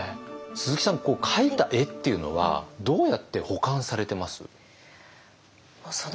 鈴木さん描いた絵っていうのはどうやって保管されてます？